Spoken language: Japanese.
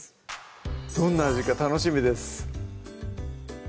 どんな味か楽しみです！